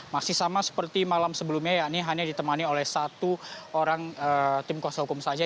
masih sama seperti malam sebelumnya ya ini hanya ditemani oleh satu orang tim kuasa hukum saja